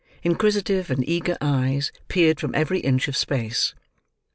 Inquisitive and eager eyes peered from every inch of space.